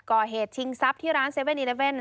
ก่อเหตุชิงทรัพย์ที่ร้าน๗๑๑